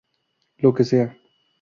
Lo que sea".